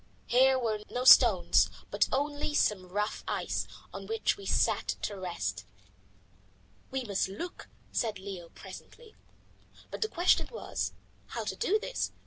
Here were no stones, but only some rough ice, on which we sat to rest. "We must look," said Leo presently. But the question was, how to do this.